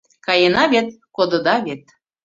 Каена вет, кодыда вет